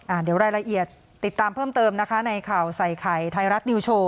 เดี๋ยวรายละเอียดติดตามเพิ่มเติมนะคะในข่าวใส่ไข่ไทยรัฐนิวโชว